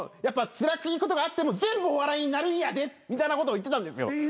つらいことがあっても全部お笑いになるんやでみたいなことを言ってたんですよ。